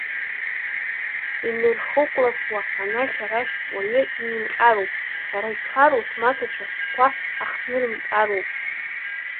Инырхыкәласуа анахь-арахь уаҩы иимҟьароуп, сара исхароу смаҭацәа хәҷқәа ахҭнырмҟьароуп.